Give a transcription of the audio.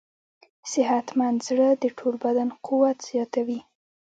صحتمند زړه د ټول بدن قوت زیاتوي.